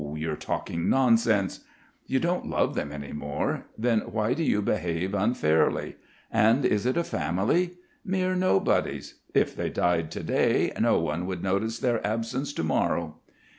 "You're talking nonsense." "You don't love them any more. Then, why do you behave unfairly? And is it a family! Mere nobodies. If they died to day, no one would notice their absence to morrow."